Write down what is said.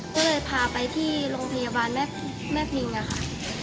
ก็เลยพาไปที่โรงพยาบาลแม่พิงอะค่ะ